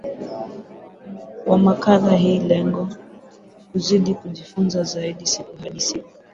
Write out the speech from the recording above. wa makala hii Lengo ni kuzidi kujifunza Zaidi siku hadi siku